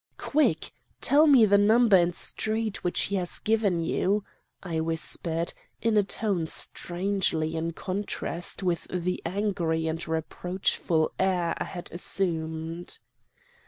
"'Quick! Tell me the number and street which he has given you! 'I whispered, in a tone strangely in contrast with the angry and reproachful air I had assumed.